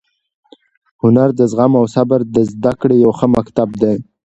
هنر د زغم او صبر د زده کړې یو ښه مکتب دی.